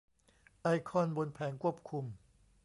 ไอคอนบนแผงควบคุม